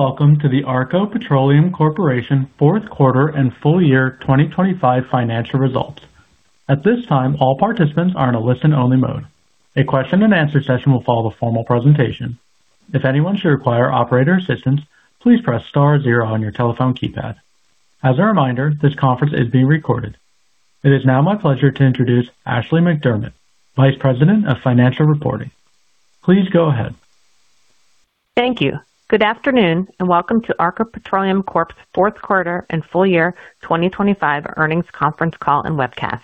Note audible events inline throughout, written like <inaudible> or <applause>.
Greetings, and welcome to the ARKO Petroleum Corp. Fourth Quarter and Full Year 2025 Financial Results. At this time, all participants are in a listen-only mode. A question-and-answer session will follow the formal presentation. If anyone should require operator assistance, please press star zero on your telephone keypad. As a reminder, this conference is being recorded. It is now my pleasure to introduce Jordan Mann, Vice President of Financial Reporting. Please go ahead. Thank you. Good afternoon, and welcome to ARKO Petroleum Corp.'s Fourth Quarter and Full Year 2025 Earnings Conference Call and Webcast.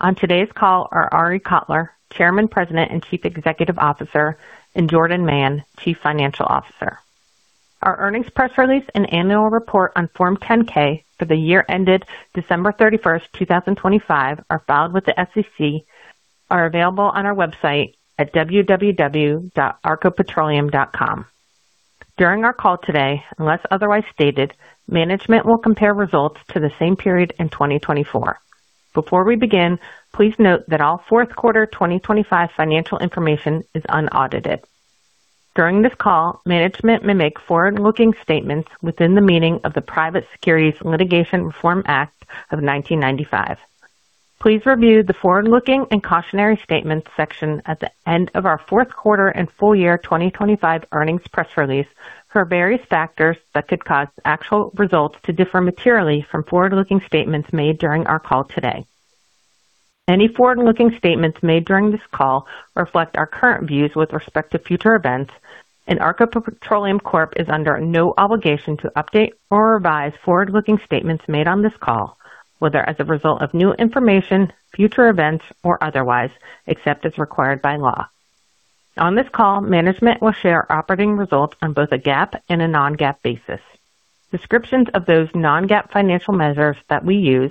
On today's call are Arie Kotler, Chairman, President, and Chief Executive Officer, and Jordan Mann, Chief Financial Officer. Our earnings press release and annual report on Form 10-K for the year ended December 31, 2025, are filed with the SEC, are available on our website at www.arkopetroleum.com. During our call today, unless otherwise stated, management will compare results to the same period in 2024. Before we begin, please note that all fourth quarter 2025 financial information is unaudited. During this call, management may make forward-looking statements within the meaning of the Private Securities Litigation Reform Act of 1995. Please review the Forward-Looking and Cautionary Statements section at the end of our fourth quarter and full year 2025 earnings press release for various factors that could cause actual results to differ materially from forward-looking statements made during our call today. Any forward-looking statements made during this call reflect our current views with respect to future events, and ARKO Petroleum Corp. is under no obligation to update or revise forward-looking statements made on this call, whether as a result of new information, future events, or otherwise, except as required by law. On this call, management will share operating results on both a GAAP and a non-GAAP basis. Descriptions of those non-GAAP financial measures that we use,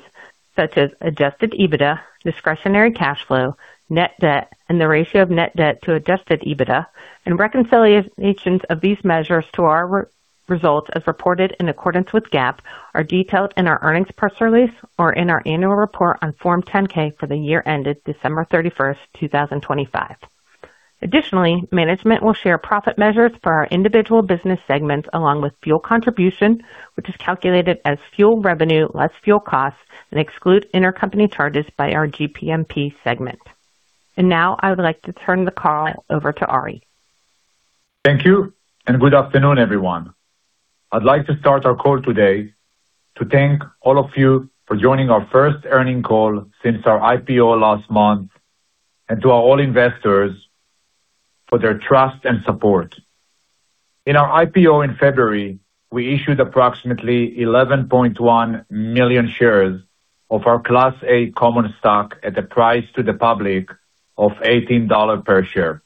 such as adjusted EBITDA, discretionary cash flow, net debt, and the ratio of net debt to adjusted EBITDA, and reconciliations of these measures to our results as reported in accordance with GAAP, are detailed in our earnings press release or in our annual report on Form 10-K for the year ended December 31, 2025. Additionally, management will share profit measures for our individual business segments, along with fuel contribution, which is calculated as fuel revenue less fuel costs and excludes intercompany charges by our GPMP segment. Now I would like to turn the call over to Arie. Thank you, and good afternoon, everyone. I'd like to start our call today to thank all of you for joining our first earnings call since our IPO last month and to all investors for their trust and support. In our IPO in February, we issued approximately 11.1 million shares of our Class A common stock at a price to the public of $18 per share.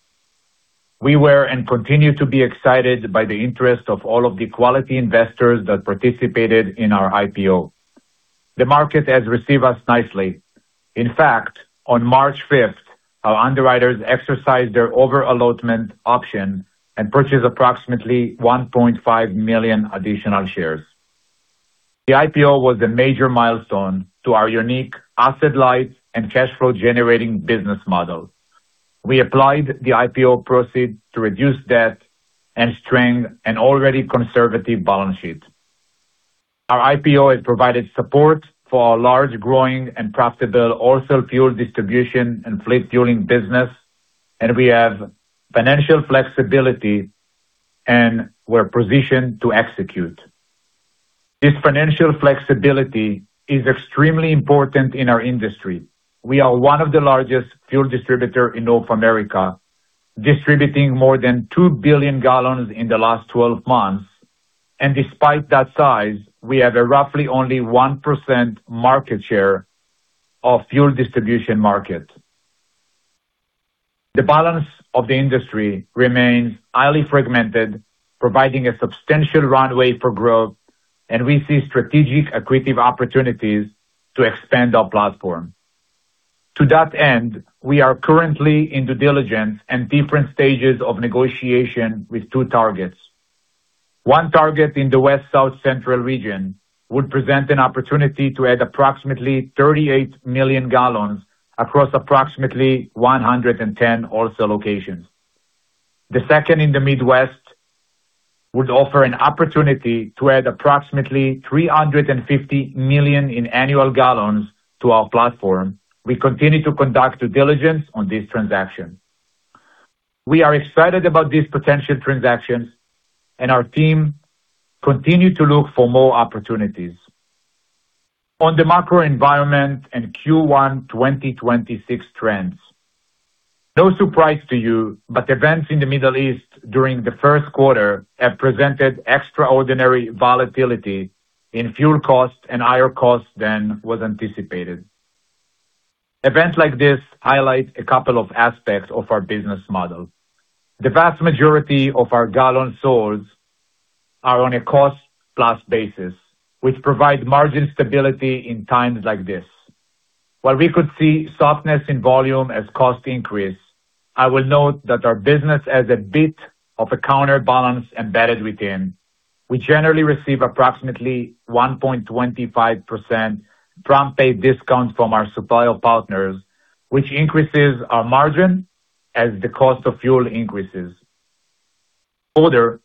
We were, and continue to be excited by the interest of all of the quality investors that participated in our IPO. The market has received us nicely. In fact, on March 5, our underwriters exercised their over-allotment option and purchased approximately 1.5 million additional shares. The IPO was a major milestone to our unique asset-light and cash flow-generating business model. We applied the IPO proceeds to reduce debt and strengthen an already conservative balance sheet. Our IPO has provided support for our large, growing, and profitable ARKO fuel distribution and fleet fueling business, and we have financial flexibility, and we're positioned to execute. This financial flexibility is extremely important in our industry. We are one of the largest fuel distributor in North America, distributing more than 2 billion gallons in the last 12 months. Despite that size, we have a roughly only 1% market share of fuel distribution market. The balance of the industry remains highly fragmented, providing a substantial runway for growth, and we see strategic accretive opportunities to expand our platform. To that end, we are currently in due diligence and different stages of negotiation with two targets. One target in the West South Central region would present an opportunity to add approximately 38 million gallons across approximately 110 ARKO locations. The second in the Midwest would offer an opportunity to add approximately 350 million in annual gallons to our platform. We continue to conduct due diligence on this transaction. We are excited about these potential transactions, and our team continue to look for more opportunities. On the macro environment and Q1 2026 trends. No surprise to you, but events in the Middle East during the first quarter have presented extraordinary volatility in fuel costs and higher costs than was anticipated. Events like this highlight a couple of aspects of our business model. The vast majority of our gallons sold are on a cost-plus basis, which provides margin stability in times like this. While we could see softness in volume as costs increase, I will note that our business has a bit of a counterbalance embedded within. We generally receive approximately 1.25% prompt pay discounts from our supplier partners, which increases our margin as the cost of fuel increases. Further,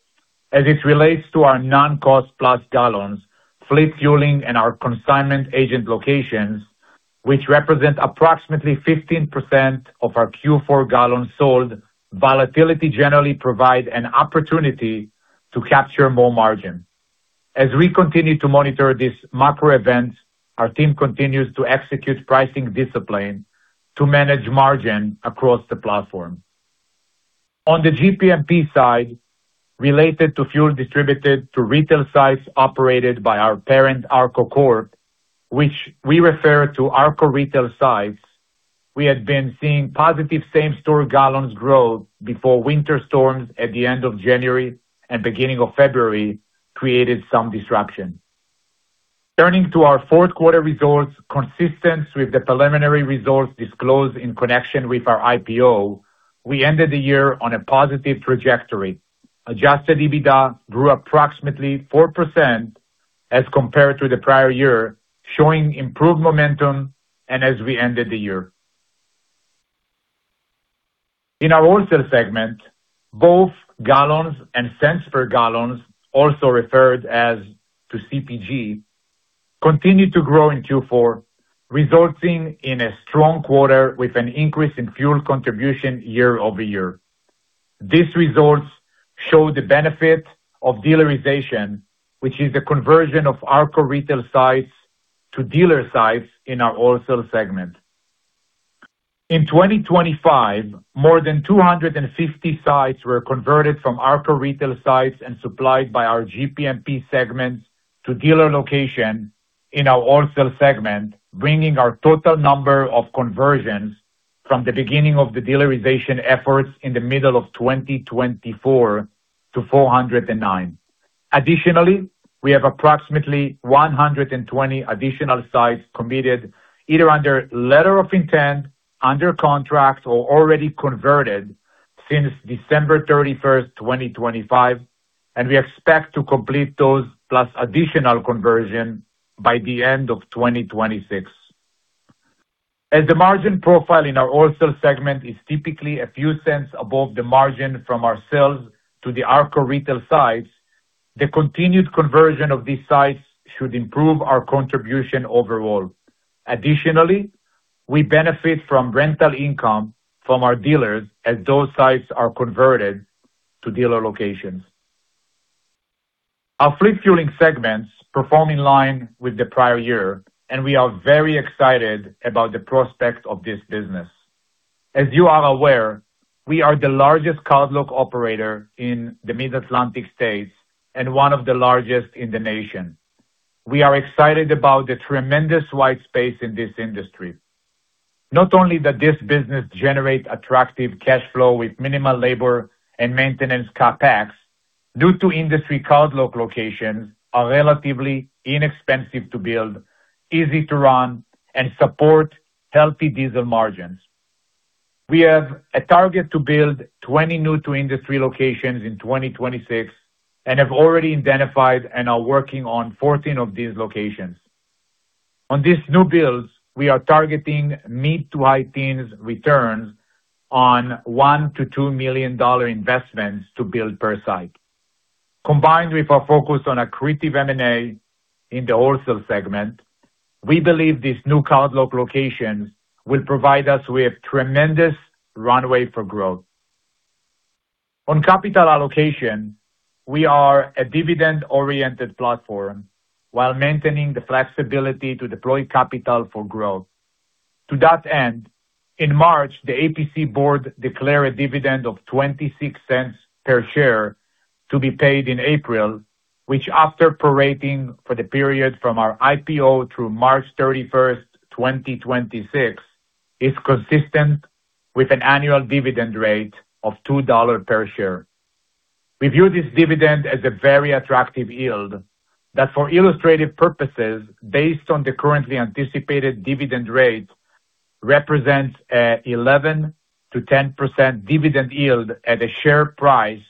as it relates to our non-cost-plus gallons, fleet fueling and our consignment agent locations, which represent approximately 15% of our Q4 gallons sold, volatility generally provide an opportunity to capture more margin. As we continue to monitor these macro events, our team continues to execute pricing discipline to manage margin across the platform. On the GPMP side, related to fuel distributed to retail sites operated by our parent, ARKO Corp., which we refer to as ARKO retail sites, we had been seeing positive same-store gallons growth before winter storms at the end of January and beginning of February created some disruption. Turning to our fourth quarter results, consistent with the preliminary results disclosed in connection with our IPO, we ended the year on a positive trajectory. Adjusted EBITDA grew approximately 4% as compared to the prior year, showing improved momentum as we ended the year. In our wholesale segment, both gallons and cents per gallon, also referred to as CPG, continued to grow in Q4, resulting in a strong quarter with an increase in fuel contribution year-over-year. These results show the benefit of dealerization, which is the conversion of ARKO retail sites to dealer sites in our wholesale segment. In 2025, more than 250 sites were converted from ARKO retail sites and supplied by our GPMP segments to dealer location in our wholesale segment, bringing our total number of conversions from the beginning of the dealerization efforts in the middle of 2024 to 409. Additionally, we have approximately 120 additional sites committed either under letter of intent, under contracts or already converted since December 31, 2025, and we expect to complete those plus additional conversion by the end of 2026. As the margin profile in our wholesale segment is typically a few cents above the margin from our sales to the ARKO retail sites, the continued conversion of these sites should improve our contribution overall. Additionally, we benefit from rental income from our dealers as those sites are converted to dealer locations. Our fleet fueling segments perform in line with the prior year, and we are very excited about the prospects of this business. As you are aware, we are the largest cardlock operator in the Mid-Atlantic states and one of the largest in the nation. We are excited about the tremendous white space in this industry. Not only that this business generates attractive cash flow with minimal labor and maintenance CapEx due to industry cardlock locations are relatively inexpensive to build, easy to run, and support healthy diesel margins. We have a target to build 20 new-to-industry locations in 2026 and have already identified and are working on 14 of these locations. On these new builds, we are targeting mid-to-high teens returns on $1 million-$2 million investments to build per site. Combined with our focus on accretive M&A in the wholesale segment, we believe these new cardlock locations will provide us with tremendous runway for growth. On capital allocation, we are a dividend-oriented platform while maintaining the flexibility to deploy capital for growth. To that end, in March, the APC board declared a dividend of $0.26 per share to be paid in April, which after prorating for the period from our IPO through March 31, 2026, is consistent with an annual dividend rate of $2 per share. We view this dividend as a very attractive yield that, for illustrative purposes, based on the currently anticipated dividend rates, represents an 11%-10% dividend yield at a share price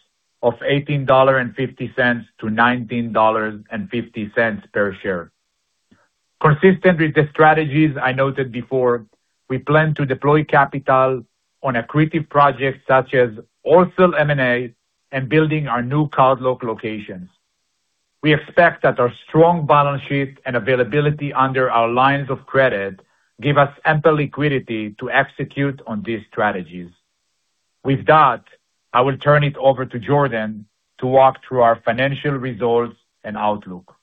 of $18.50-$19.50 per share. Consistent with the strategies I noted before, we plan to deploy capital on accretive projects such as wholesale M&A and building our new cardlock locations. We expect that our strong balance sheet and availability under our lines of credit give us ample liquidity to execute on these strategies. With that, I will turn it over to Jordan to walk through our financial results and outlook.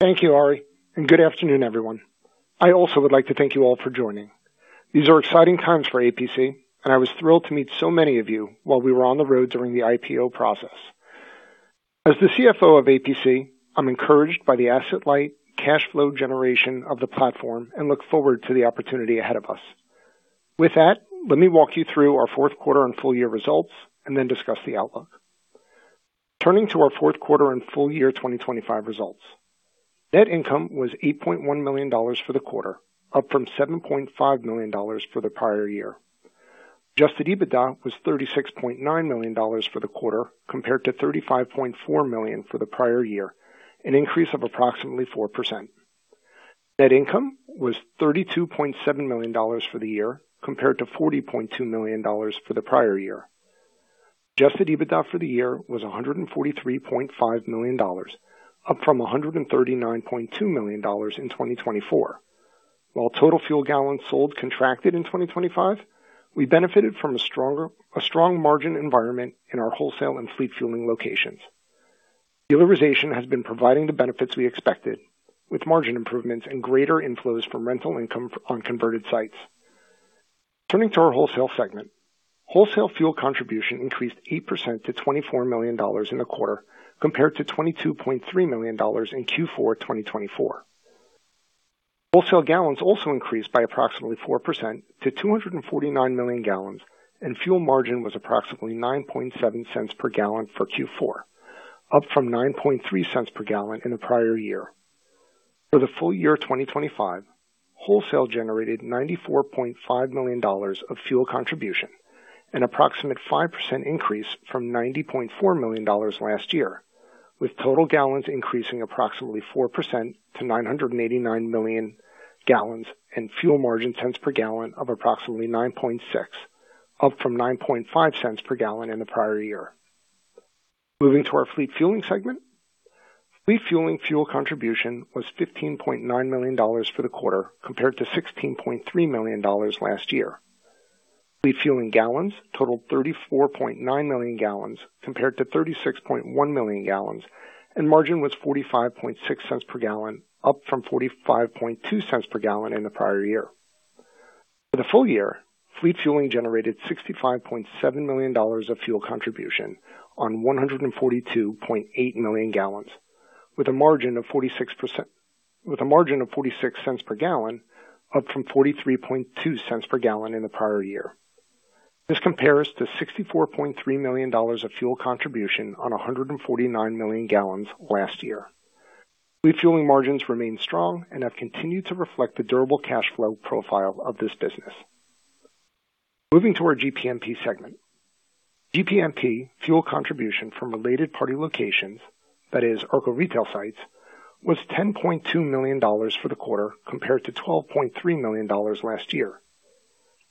Thank you, Ari, and good afternoon, everyone. I also would like to thank you all for joining. These are exciting times for APC, and I was thrilled to meet so many of you while we were on the road during the IPO process. As the CFO of APC, I'm encouraged by the asset light cash flow generation of the platform and look forward to the opportunity ahead of us. With that, let me walk you through our fourth quarter and full year results and then discuss the outlook. Turning to our fourth quarter and full year 2025 results. Net income was $8.1 million for the quarter, up from $7.5 million for the prior year. Adjusted EBITDA was $36.9 million for the quarter compared to $35.4 million for the prior year, an increase of approximately 4%. Net income was $32.7 million for the year compared to $40.2 million for the prior year. Adjusted EBITDA for the year was $143.5 million, up from $139.2 million in 2024. While total fuel gallons sold contracted in 2025, we benefited from a strong margin environment in our wholesale and fleet fueling locations. Dealerization has been providing the benefits we expected, with margin improvements and greater inflows from rental income on converted sites. Turning to our wholesale segment. Wholesale fuel contribution increased 8% to $24 million in the quarter compared to $22.3 million in Q4 2024. Wholesale gallons also increased by approximately 4% to 249 million gallons, and fuel margin was approximately 9.7 cents per gallon for Q4, up from 9.3 cents per gallon in the prior year. For the full year 2025, wholesale generated $94.5 million of fuel contribution, an approximate 5% increase from $90.4 million last year, with total gallons increasing approximately 4% to 989 million gallons, and fuel margin cents per gallon of approximately 9.6, up from 9.5 cents per gallon in the prior year. Moving to our fleet fueling segment. Fleet fueling fuel contribution was $15.9 million for the quarter compared to $16.3 million last year. Fleet fueling gallons totaled 34.9 million gallons compared to 36.1 million gallons, and margin was 45.6 cents per gallon, up from 45.2 cents per gallon in the prior year. For the full year, fleet fueling generated $65.7 million of fuel contribution on 142.8 million gallons, with a margin of 46 cents per gallon, up from 43.2 cents per gallon in the prior year. This compares to $64.3 million of fuel contribution on 149 million gallons last year. Fleet fueling margins remain strong and have continued to reflect the durable cash flow profile of this business. Moving to our GPMP segment. GPMP fuel contribution from related party locations, that is ARKO retail sites, was $10.2 million for the quarter compared to $12.3 million last year.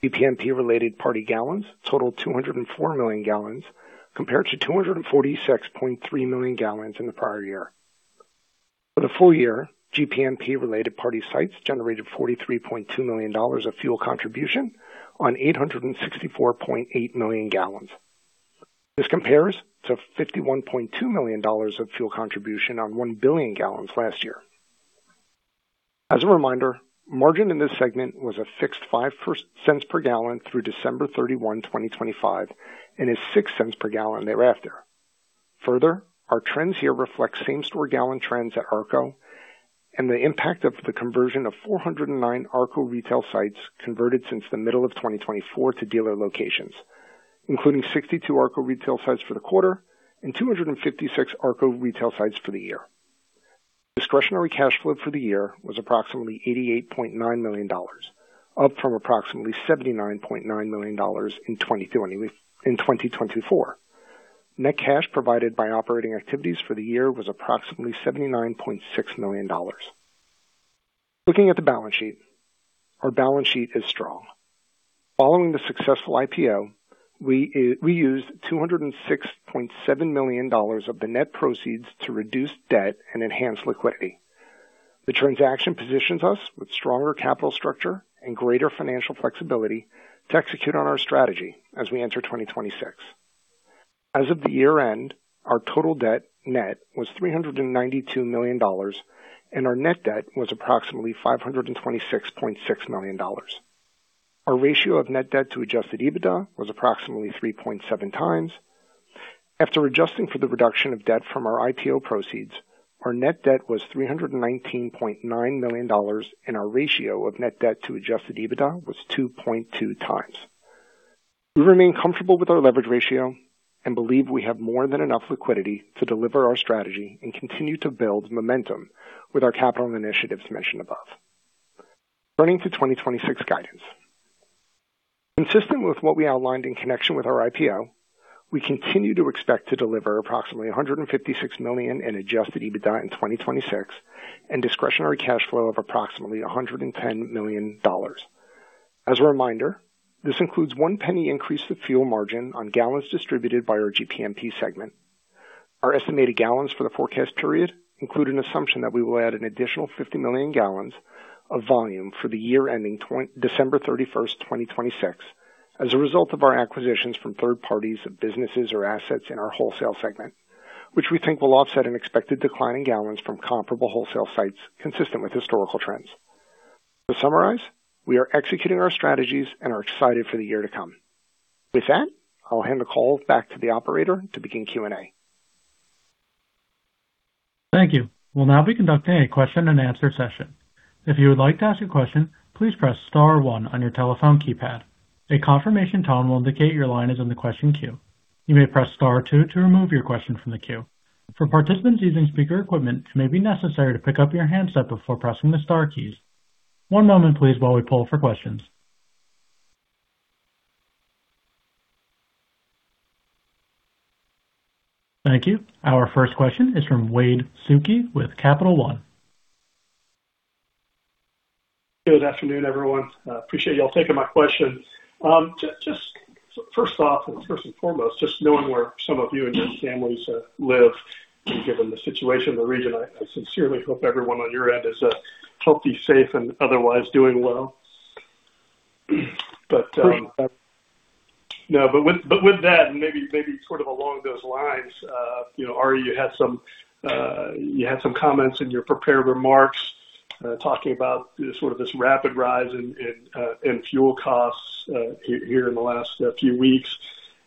GPMP-related party gallons totaled 204 million gallons compared to 246.3 million gallons in the prior year. For the full year, GPMP-related party sites generated $43.2 million of fuel contribution on 864.8 million gallons. This compares to $51.2 million of fuel contribution on 1 billion gallons last year. As a reminder, margin in this segment was a fixed 5 cents per gallon through December 31, 2025, and is 6 cents per gallon thereafter. Further, our trends here reflect same-store gallon trends at ARKO and the impact of the conversion of 409 ARKO retail sites converted since the middle of 2024 to dealer locations, including 62 ARKO retail sites for the quarter and 256 ARKO retail sites for the year. Discretionary cash flow for the year was approximately $88.9 million, up from approximately $79.9 million in 2024. Net cash provided by operating activities for the year was approximately $79.6 million. Looking at the balance sheet. Our balance sheet is strong. Following the successful IPO, we used $206.7 million of the net proceeds to reduce debt and enhance liquidity. The transaction positions us with stronger capital structure and greater financial flexibility to execute on our strategy as we enter 2026. As of the year-end, our total debt net was $392 million and our net debt was approximately $526.6 million. Our ratio of net debt to adjusted EBITDA was approximately 3.7 times. After adjusting for the reduction of debt from our IPO proceeds, our net debt was $319.9 million and our ratio of net debt to adjusted EBITDA was 2.2 times. We remain comfortable with our leverage ratio and believe we have more than enough liquidity to deliver our strategy and continue to build momentum with our capital initiatives mentioned above. Turning to 2026 guidance. Consistent with what we outlined in connection with our IPO, we continue to expect to deliver approximately $156 million in adjusted EBITDA in 2026 and discretionary cash flow of approximately $110 million. As a reminder, this includes 1 penny increase to fuel margin on gallons distributed by our GPMP segment. Our estimated gallons for the forecast period include an assumption that we will add an additional 50 million gallons of volume for the year ending December 31, 2026, as a result of our acquisitions from third parties of businesses or assets in our wholesale segment, which we think will offset an expected decline in gallons from comparable wholesale sites consistent with historical trends. To summarize, we are executing our strategies and are excited for the year to come. With that, I'll hand the call back to the operator to begin Q&A. Thank you. We'll now be conducting a question and answer session. If you would like to ask a question, please press star one on your telephone keypad. A confirmation tone will indicate your line is in the question queue. For participants using speaker equipment, it may be necessary to pick up your handset before pressing the star keys. One moment please while we poll for questions. Thank you. Our first question is from Wade Suki with Capital One. Good afternoon, everyone. Appreciate y'all taking my question. Just so first off, and first and foremost, just knowing where some of you and your families live and given the situation in the region, I sincerely hope everyone on your end is healthy, safe, and otherwise doing well. <audio distortion> No, but with that, and maybe sort of along those lines, you know, Ari, you had some comments in your prepared remarks, talking about sort of this rapid rise in fuel costs here in the last few weeks.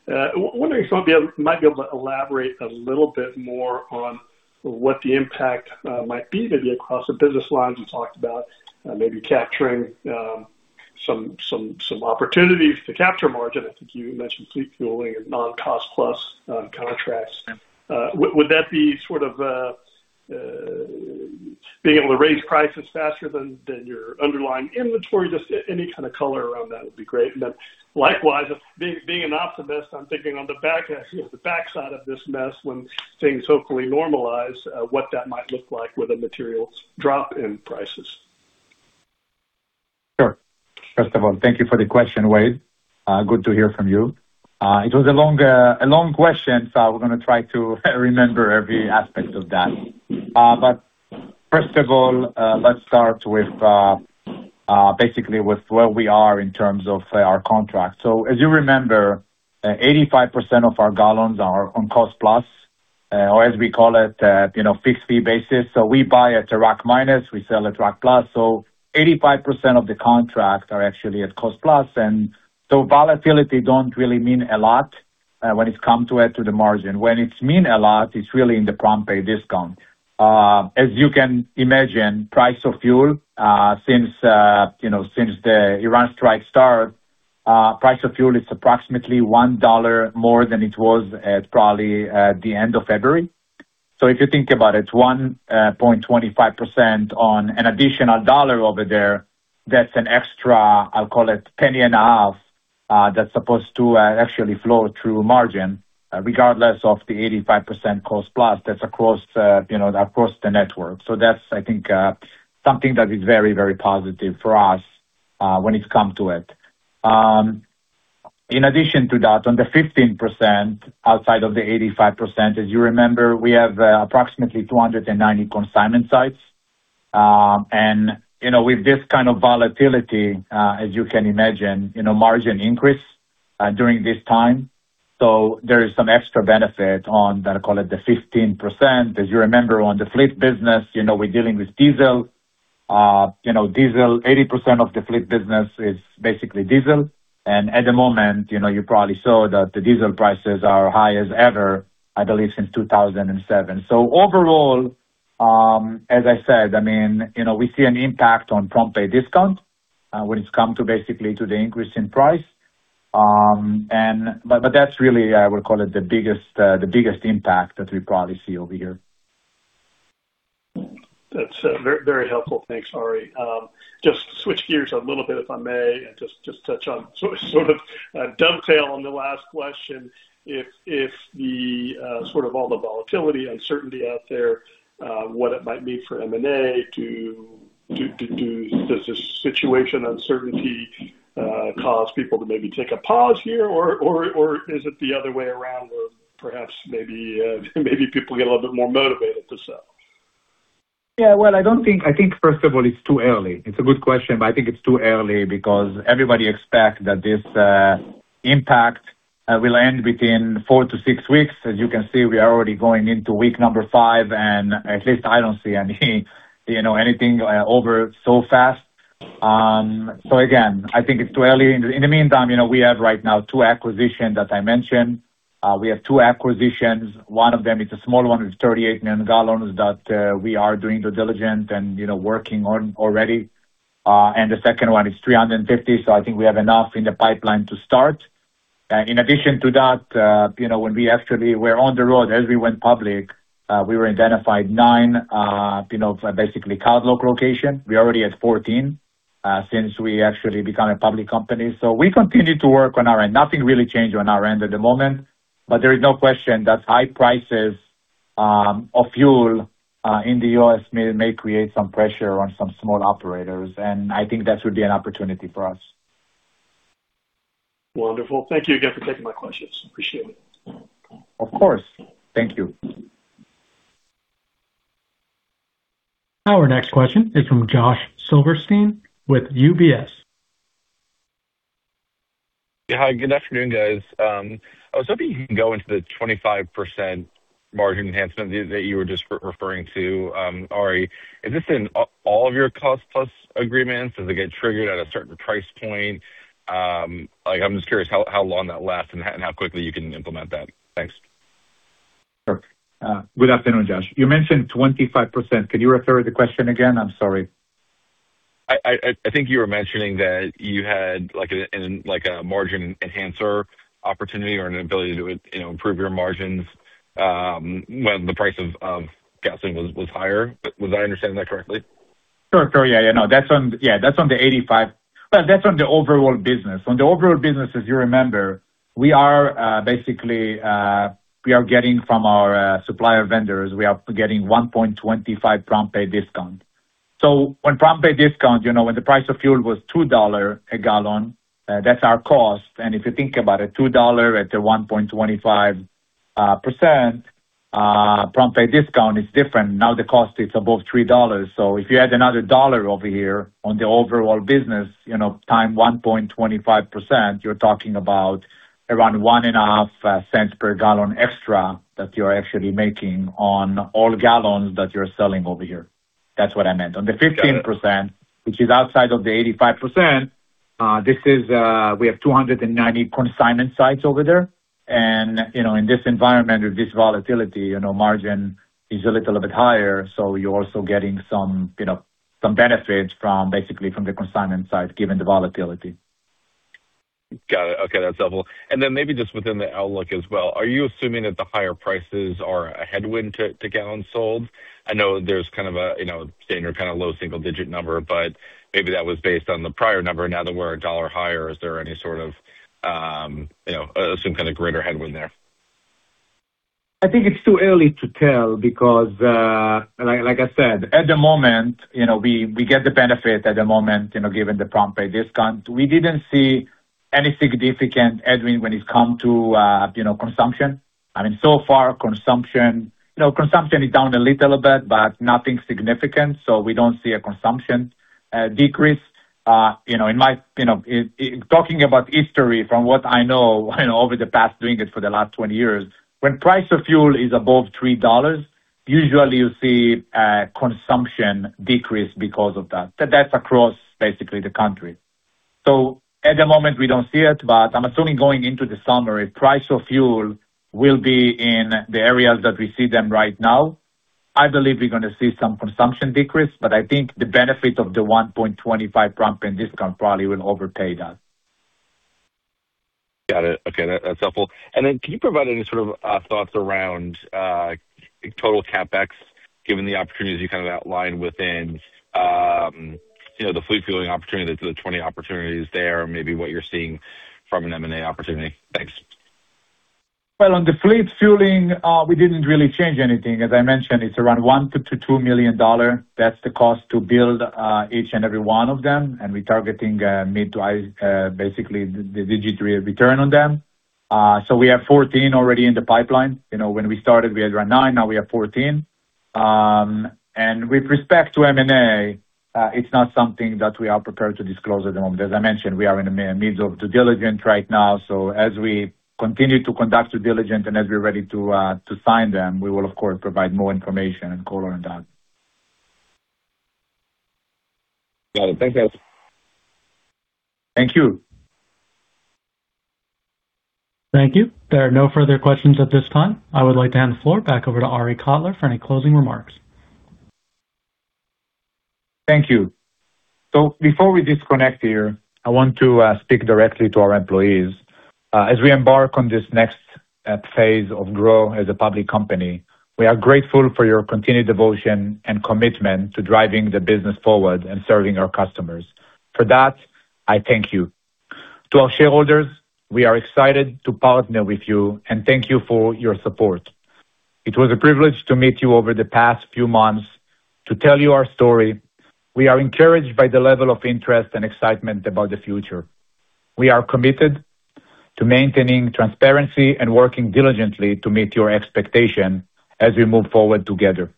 Wondering if you might be able to elaborate a little bit more on what the impact might be maybe across the business lines. You talked about maybe capturing some opportunities to capture margin. I think you mentioned fleet fueling and non-cost plus contracts. Yeah. Would that be sort of being able to raise prices faster than your underlying inventory? Just any kind of color around that would be great. Likewise, if being an optimist, I'm thinking on the back, you know, the backside of this mess when things hopefully normalize, what that might look like with a materials drop in prices? Sure. First of all, thank you for the question, Wade. Good to hear from you. It was a long question, so we're gonna try to remember every aspect of that. First of all, let's start with basically where we are in terms of our contract. As you remember, 85% of our gallons are on cost-plus, or as we call it, you know, fixed fee basis. We buy at a rack minus, we sell at rack plus. 85% of the contracts are actually at cost-plus. Volatility don't really mean a lot when it come to it to the margin. When it's mean a lot, it's really in the prompt pay discount. As you can imagine, price of fuel, since, you know, since the Iran strike start, price of fuel is approximately $1 more than it was probably at the end of February. If you think about it's 1.25% on an additional $1 over there. That's an extra, I'll call it penny and a half, that's supposed to actually flow through margin, regardless of the 85% cost plus. That's across, you know, across the network. That's I think something that is very, very positive for us, when it come to it. In addition to that, on the 15%, outside of the 85%, as you remember, we have approximately 290 consignment sites. You know, with this kind of volatility, as you can imagine, you know, margin increase during this time. There is some extra benefit on, let's call it the 15%. As you remember on the fleet business, you know, we're dealing with diesel. You know, diesel, 80% of the fleet business is basically diesel. At the moment, you know, you probably saw that the diesel prices are high as ever, I believe since 2007. Overall, as I said, I mean, you know, we see an impact on prompt pay discount when it comes to basically to the increase in price. But that's really, I would call it the biggest impact that we probably see over here. That's very helpful. Thanks, Ari. Just switch gears a little bit, if I may, and just touch on sort of dovetail on the last question. If the sort of all the volatility, uncertainty out there, what it might mean for M&A. Does this situational uncertainty cause people to maybe take a pause here? Or is it the other way around where perhaps maybe people get a little bit more motivated to sell? Yeah. Well, I think first of all, it's too early. It's a good question, but I think it's too early because everybody expect that this impact will end between 4-6 weeks. As you can see, we are already going into week number 5, and at least I don't see any, you know, anything over so fast. So again, I think it's too early. In the meantime, you know, we have right now two acquisitions that I mentioned. One of them is a small one, it's 38 million gallons that we are doing due diligence and, you know, working on already. The second one is 350. So I think we have enough in the pipeline to start. In addition to that, you know, when we actually were on the road, as we went public, we identified nine, you know, basically cardlock locations. We are already at 14 since we actually became a public company. We continue to work on our end. Nothing really changed on our end at the moment, but there is no question that high prices of fuel in the U.S. may create some pressure on some small operators, and I think that would be an opportunity for us. Wonderful. Thank you again for taking my questions. Appreciate it. Of course. Thank you. Our next question is from Josh Silverstein with UBS. Yeah. Hi, good afternoon, guys. I was hoping you can go into the 25% margin enhancement that you were just referring to, Ari. Is this in all of your cost-plus agreements? Does it get triggered at a certain price point? Like, I'm just curious how long that lasts and how quickly you can implement that. Thanks. Sure. Good afternoon, Josh. You mentioned 25%. Can you repeat the question again? I'm sorry. I think you were mentioning that you had like a margin enhancer opportunity or an ability to, you know, improve your margins, when the price of gasoline was higher. Was I understanding that correctly? Sure. Yeah. No, that's on the 85. Well, that's on the overall business. As you remember, we are basically getting from our supplier vendors 1.25 prompt pay discount. So when prompt pay discount, you know, when the price of fuel was $2 a gallon, that's our cost. If you think about it, $2 at the 1.25% prompt pay discount is different. Now the cost is above $3. So if you add another $1 over here on the overall business, you know, times 1.25%, you're talking about around $0.015 per gallon extra that you're actually making on all gallons that you're selling over here. That's what I meant. On the 15%, which is outside of the 85%, this is, we have 290 consignment sites over there. You know, in this environment, with this volatility, you know, margin is a little bit higher, so you're also getting some, you know, some benefits from basically the consignment side, given the volatility. Got it. Okay, that's helpful. Maybe just within the outlook as well, are you assuming that the higher prices are a headwind to gallons sold? I know there's kind of a you know, standard kind of low single digit number, but maybe that was based on the prior number. Now that we're $1 higher, is there any sort of you know, some kind of greater headwind there? I think it's too early to tell because, like I said, at the moment, you know, we get the benefit at the moment, you know, given the prompt pay discount. We didn't see any significant headwind when it come to, you know, consumption. I mean, so far consumption is down a little bit, but nothing significant, so we don't see a consumption decrease. You know, in my, you know, talking about history from what I know and over the past, doing it for the last 20 years, when price of fuel is above $3, usually you see a consumption decrease because of that. That's across basically the country. At the moment we don't see it, but I'm assuming going into the summer, if price of fuel will be in the areas that we see them right now, I believe we're gonna see some consumption decrease, but I think the benefit of the 1.25 prompt pay discount probably will outweigh that. Got it. Okay. That's helpful. Then can you provide any sort of thoughts around total CapEx, given the opportunities you kind of outlined within you know the fleet fueling opportunity, the 20 opportunities there, maybe what you're seeing from an M&A opportunity? Thanks. Well, on the fleet fueling, we didn't really change anything. As I mentioned, it's around $1 million-$2 million. That's the cost to build each and every one of them. We're targeting mid- to high-single-digit return on them. We have 14 already in the pipeline. You know, when we started we had around 9, now we have 14. With respect to M&A, it's not something that we are prepared to disclose at the moment. As I mentioned, we are in the midst of due diligence right now. As we continue to conduct due diligence and as we're ready to sign them, we will of course provide more information and color on that. Got it. Thanks, guys. Thank you. Thank you. There are no further questions at this time. I would like to hand the floor back over to Arie Kotler for any closing remarks. Thank you. Before we disconnect here, I want to speak directly to our employees. As we embark on this next phase of growth as a public company, we are grateful for your continued devotion and commitment to driving the business forward and serving our customers. For that, I thank you. To our shareholders, we are excited to partner with you, and thank you for your support. It was a privilege to meet you over the past few months to tell you our story. We are encouraged by the level of interest and excitement about the future. We are committed to maintaining transparency and working diligently to meet your expectation as we move forward together.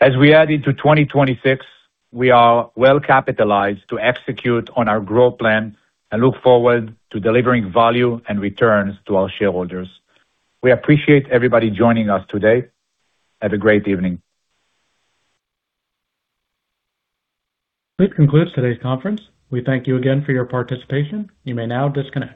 As we head into 2026, we are well capitalized to execute on our growth plan and look forward to delivering value and returns to our shareholders. We appreciate everybody joining us today. Have a great evening. This concludes today's conference. We thank you again for your participation. You may now disconnect.